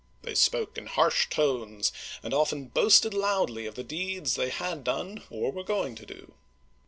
They spoke in harsh tones, and often boasted loudly of the deeds they had done or were going to do.